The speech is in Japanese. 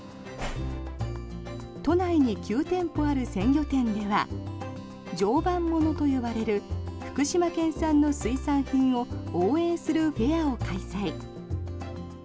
都内に９店舗ある鮮魚店では常磐ものと呼ばれる福島県産の水産品を応援するフェアを開催。